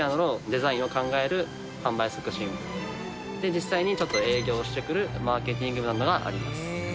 実際にちょっと営業をしてくるマーケティングなどがあります。